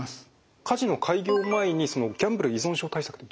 カジノ開業前にギャンブル依存症対策ってどうなってますか？